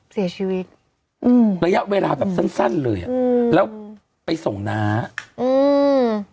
เสียชีวิตอืมระยะเวลาแบบสั้นสั้นเลยอ่ะอืมแล้วไปส่งน้าอืม